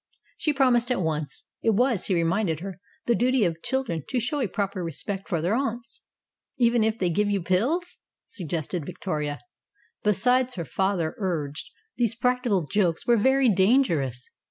She promised at once. It was, he reminded her, the duty of children to show a proper respect for their aunts. "Even if they give you pills?" suggested Victoria. Besides, her father urged, these practical jokes were very dangerous.